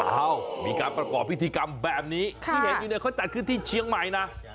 เอ้ามีการประกอบพิธีกรรมแบบนี้ที่เห็นอยู่เนี่ยเขาจัดขึ้นที่เชียงใหม่นะ